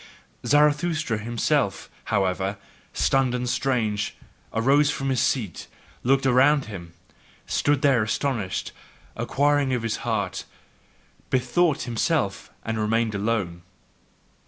Zarathustra himself, however, stunned and strange, rose from his seat, looked around him, stood there astonished, inquired of his heart, bethought himself, and remained alone.